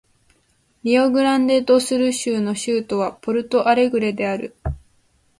リオグランデ・ド・スル州の州都はポルト・アレグレである